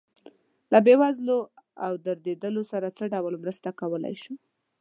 له بې وزلو او دردېدلو سره څه ډول مرسته کولی شو.